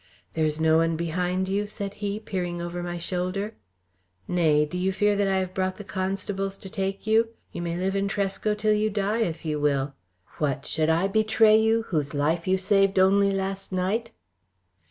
"There is no one behind you?" said he, peering over my shoulder. "Nay! Do you fear that I have brought the constables to take you? You may live in Tresco till you die if you will. What! Should I betray you, whose life you saved only last night?"